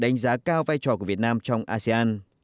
đánh giá cao vai trò của việt nam trong asean